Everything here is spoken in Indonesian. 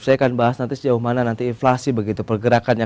saya akan bahas nanti sejauh mana nanti inflasi begitu pergerakannya